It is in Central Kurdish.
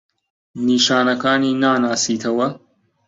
نیشانەکانی ناناسیتەوە؟